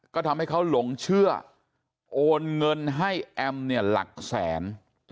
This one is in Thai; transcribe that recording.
ก็ทำให้เขาหลงเชื่อโอนเงินให้แอมเนี่ยหลักแสน